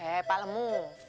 hei pak lemu